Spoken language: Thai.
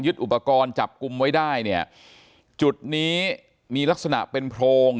อุปกรณ์จับกลุ่มไว้ได้เนี่ยจุดนี้มีลักษณะเป็นโพรง